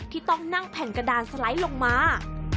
ที่ต้องนั่งแผ่นกระดานสไลด์ลงมา